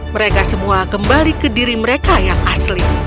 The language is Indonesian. mereka semua kembali ke diri mereka yang asli